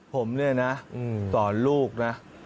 ผมเนี่ยนะสอนลูกนะ